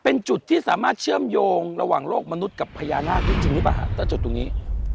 เป็นจุดที่สามารถเชื่อมโยงระหว่างโลกมนุษย์กับพญานาคได้จริงหรือเปล่าฮะถ้าจุดตรงนี้